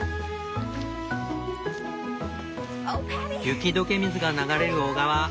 雪解け水が流れる小川。